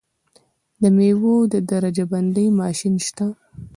د میوو د درجه بندۍ ماشین شته؟